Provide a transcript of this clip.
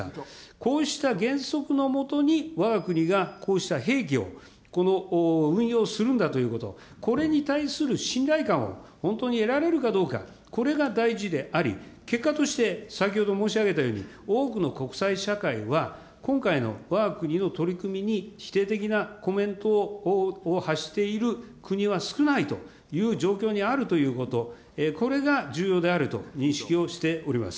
こうした原則の下にわが国がこうした兵器を、この運用するんだということ、これに対する信頼感を本当に得られるかどうか、これが大事であり、結果として、先ほど申し上げたように、多くの国際社会は今回のわが国の取り組みに否定的なコメントを発している国は少ないという状況にあるということ、これが重要であると認識をしております。